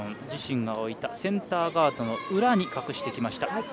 自身が置いたセンターガードの裏に隠してきました。